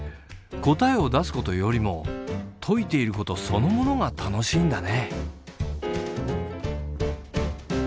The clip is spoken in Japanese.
答えを出すことよりも解いていることそのものが楽しいんだね。